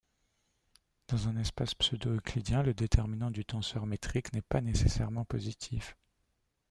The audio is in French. Dans un espace pseudo-euclidien le déterminant du tenseur métrique n'est pas nécessairement positif.